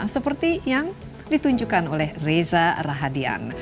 seperti yang ditunjukkan oleh reza rahadian